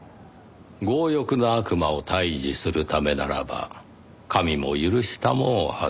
「強欲な悪魔を退治するためならば神も許し給うはずだ」ですか。